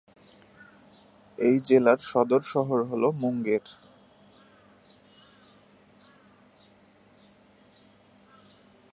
এই জেলার সদর শহর হল মুঙ্গের।